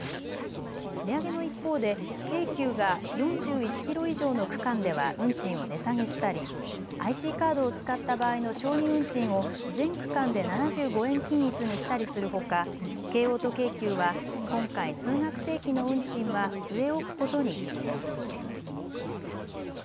値上げの一方で京急が４１キロ以上の区間では運賃を値下げしたりＩＣカードを使った場合の小児運賃を全区間で７５円均一にしたりするほか京王と京急は今回、通学定期の運賃は据え置くことにしています。